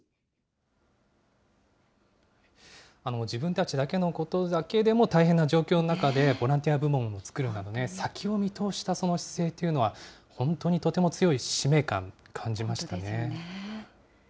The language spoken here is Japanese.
自分たちだけのことだけでも大変な状況の中で、ボランティア部門を作るなど、先を見通したその姿勢というのは、本当に、とても強い使命感、感じましたよね。